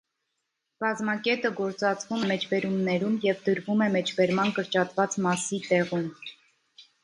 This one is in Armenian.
Բազմակետը գործածվում է մեջբերումներում և դրվում է մեջբերման կրճատված մասի տեղում։